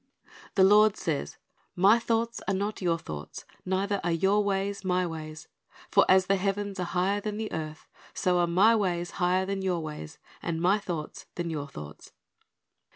The Lord says, "My thoughts are not your thoughts, neither are your ways My ways. ... For as the heav^ens are higher than the earth, so are My ways higher than your ways, and My thoughts than your thoughts."